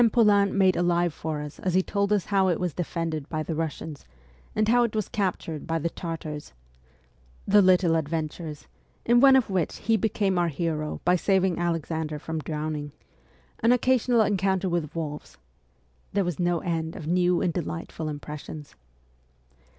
Poulain made alive for us as he told how it was defended by the Eussians, and how it was captured by the Tartars ; the little adventures, in one of which he became our hero by saving Alexander from drowning; an occasional encounter with wolves there was no end of new and delightful impressions.